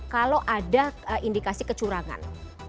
kalau ada indikasi kecurangan